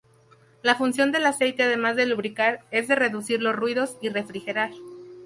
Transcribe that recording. La función del aceite además de lubricar, es de reducir los ruidos y refrigerar.